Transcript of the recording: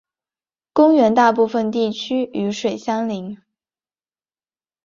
公园大部分地区与水相邻。